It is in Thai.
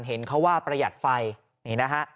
เห็นเขาว่าประหยัดไฟนี่นะฮะ